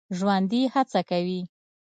ژوندي هڅه کوي